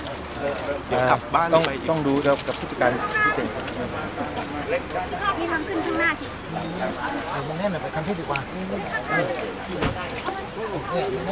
พอเท้าหน่อยขอโทษนะครับพี่เจ๋งพี่เจ๋งที่